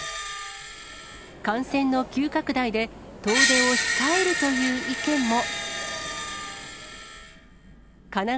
感染の急拡大で、遠出を控えるという意見も。